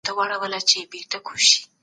تاسو به د خپلي روغتیا لپاره ښه خواړه خورئ.